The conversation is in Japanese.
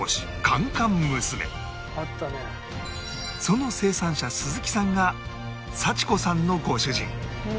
その生産者鈴木さんが沙千子さんのご主人